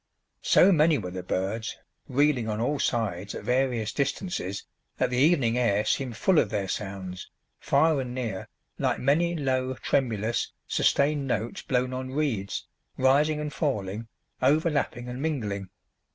So many were the birds, reeling on all sides, at various distances, that the evening air seemed full of their sounds, far and near, like many low, tremulous, sustained notes blown on reeds, rising and falling, overlapping and mingling.